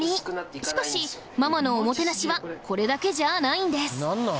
しかしママのおもてなしはこれだけじゃあないんです